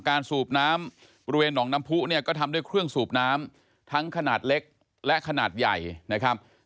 สูบน้ำบริเวณหนองน้ำผู้เนี่ยก็ทำด้วยเครื่องสูบน้ำทั้งขนาดเล็กและขนาดใหญ่นะครับ